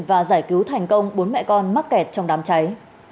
và giải cứu thành công bốn mẹ con mắc kẹt trong đám cháy